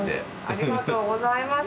ありがとうございます。